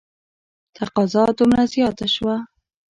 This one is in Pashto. تقاضا دومره زیاته شوه.